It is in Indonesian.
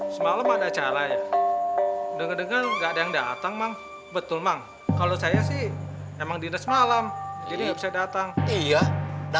sampai jumpa di video selanjutnya